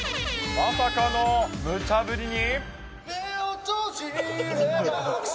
まさかのむちゃぶりに。